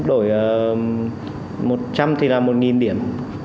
mức đổi một trăm linh thì là một điểm